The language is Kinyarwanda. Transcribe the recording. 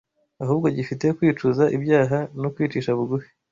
ahubwo gifite kwicuza ibyaha no kwicisha bugufi